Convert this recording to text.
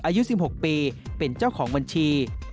อายุ๑๖ปีเป็นเจ้าของบัญชี